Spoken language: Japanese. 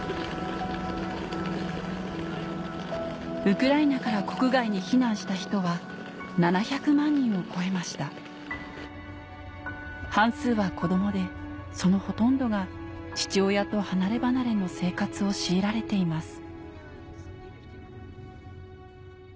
ウクライナから国外に避難した人は７００万人を超えました半数は子どもでそのほとんどが父親と離れ離れの生活を強いられています